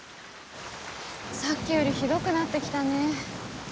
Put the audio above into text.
さっきよりひどくなってきたね。